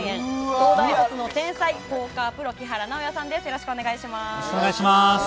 東大卒の天才ポーカープロ木原直哉さんです。